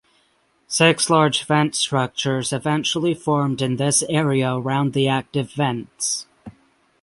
Six large vent structures eventually formed in this area around the active vents.